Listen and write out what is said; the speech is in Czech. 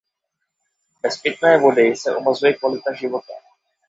Bez pitné vody se omezuje kvalita života.